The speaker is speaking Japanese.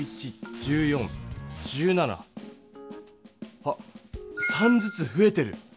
あっ３ずつふえてる。